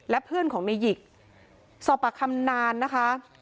และเพื่อนของในหยิกสอบปากคำนานนะคะ